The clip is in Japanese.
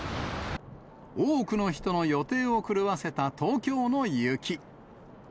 多くの人の予定を狂わせた東京の雪。